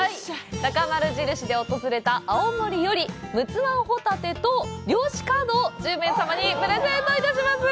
なかまる印で訪れた青森より、陸奥湾ホタテと漁師カードを１０名様にプレゼントいたします。